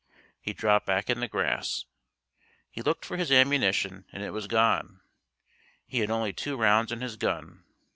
He dropped back in the grass. He looked for his ammunition and it was gone. He had only two rounds in his gun.